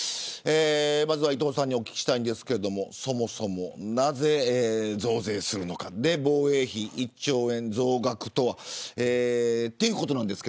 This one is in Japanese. まずは、伊藤さんにお聞きしたいんですがそもそも、なぜ増税するのかそして防衛費１兆円増額ということですが。